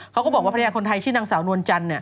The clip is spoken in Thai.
เขาก็บอกว่าภรรยาคนไทยชื่อนางสาวนวลจันทร์